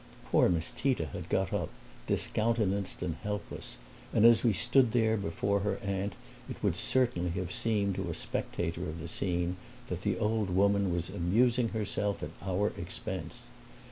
Poor Miss Tita had got up, discountenanced and helpless, and as we stood there before her aunt it would certainly have seemed to a spectator of the scene that the old woman was amusing herself at our expense.